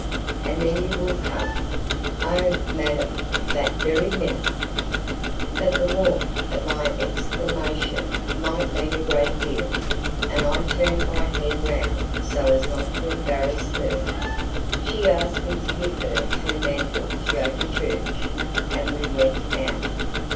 "And then you will come?" "Oh, madam! that very minute!" But the warmth of my exclamation might mean a great deal, and I turned my head round so as not to embarrass her. She asked me to give her her mantle to go to church, and we went out.